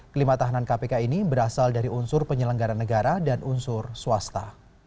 kelima tahanan kpk ini berasal dari unsur penyelenggara negara dan unsur swasta